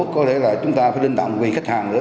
có lẽ là chúng ta phải đinh tầm về khách hàng nữa